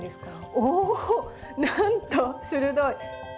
おっなんと鋭い！